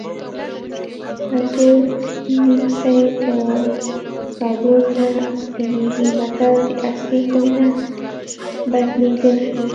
تور نیمڅی په سابون نه سپینېږي متل د اصلي خوی نه بدلېدل ښيي